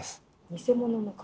偽物の鍵？